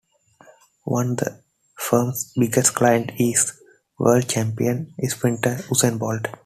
One the firm's biggest clients is World Champion sprinter Usain Bolt.